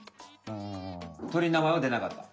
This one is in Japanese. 鳥の名前はでなかった？